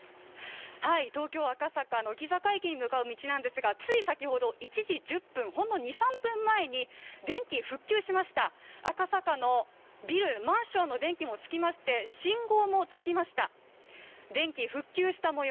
東京・赤坂、乃木坂駅に向かう道なんですがつい先ほど、１時１０分、ほんの３０分前に電気復旧しました赤坂のビルマンションの電気もつきまして、信号もつきました。